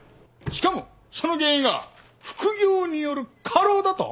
しかもその原因が副業による過労だと？